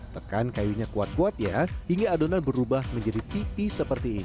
tekan kayunya kuat kuat ya hingga adonan berubah menjadi tipi seperti ini